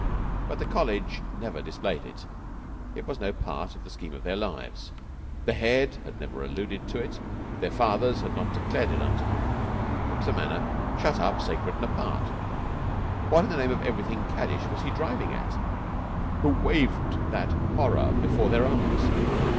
But the College never displayed it; it was no part of the scheme of their lives; the Head had never alluded to it; their fathers had not declared it unto them. It was a matter shut up, sacred and apart. What, in the name of everything caddish, was he driving at, who waved that horror before their eyes?